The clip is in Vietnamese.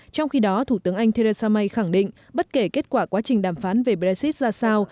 trong khi đó thủ tướng anh theresa may khẳng định bất kể kết quả quá trình đàm phán về brexit ra sao